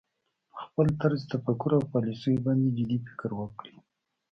په خپل طرز تفکر او پالیسیو باندې جدي فکر وکړي